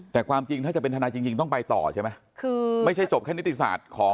แต่ความจริงถ้าจะเป็นทนายจริงจริงต้องไปต่อใช่ไหมคือไม่ใช่จบแค่นิติศาสตร์ของ